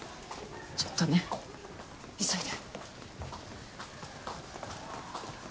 ちょっとね急いで。